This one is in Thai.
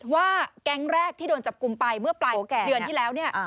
ว่าแก๊งแรกที่โดนจับกลุ่มไปเมื่อปลายเดือนที่แล้วเนี่ย